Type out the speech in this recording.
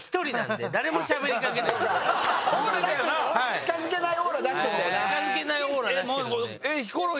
近づけないオーラ出してるんで。